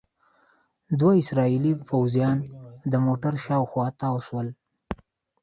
دوه اسرائیلي پوځیان د موټر شاوخوا تاو شول.